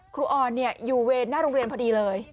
ออนอยู่เวรหน้าโรงเรียนพอดีเลย